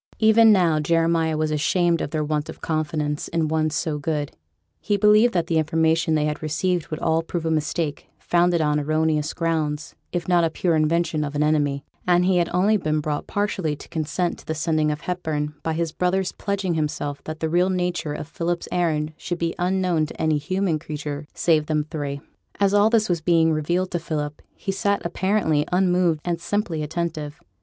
Even now Jeremiah was ashamed of their want of confidence in one so good; he believed that the information they had received would all prove a mistake, founded on erroneous grounds, if not a pure invention of an enemy; and he had only been brought partially to consent to the sending of Hepburn, by his brother's pledging himself that the real nature of Philip's errand should be unknown to any human creature, save them three. As all this was being revealed to Philip, he sat apparently unmoved and simply attentive.